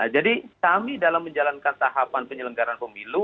jadi kami dalam menjalankan tahapan penyelenggaran pemilu